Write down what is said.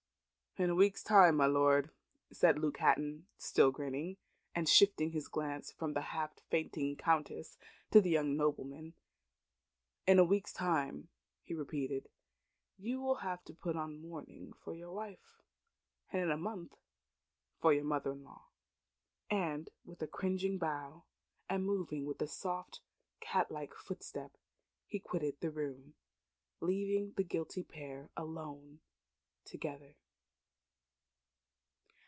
"In a week's time, my lord," said Luke Hatton, still grinning, and shifting his glance from the half fainting Countess to the young nobleman; "in a week's time," he repeated, "you will have to put on mourning for your wife and in a month for your mother in law." And with a cringing bow, and moving with a soft cat like footstep, he quitted the room, leaving the guilty pair alone together.